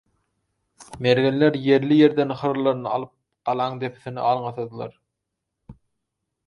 Mergenler ýerli-ýerden hyrlylaryny alyp, galaň depesine alňasadylar.